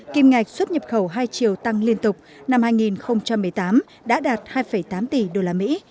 kim ngạch xuất nhập khẩu hai triệu tăng liên tục năm hai nghìn một mươi tám đã đạt hai tám tỷ usd